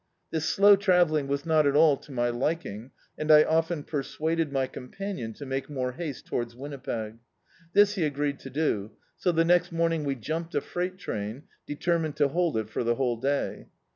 This slow travelling was not at all to my liking, and I often persuaded my companion to make more haste towards Winnipeg. This he agreed to do ; so the next morning we jumped a freight train, deteimined to hold it for the whole day.